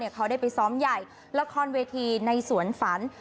เขาได้ไปซ้อมใหญ่ละครเวทีในสวนฝัน